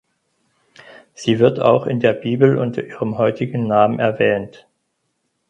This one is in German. Sie wird auch in der Bibel unter ihrem heutigen Namen erwähnt.